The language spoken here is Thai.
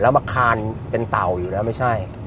แล้วมาคานเป็นเต่าอยู่นะไม่ใช่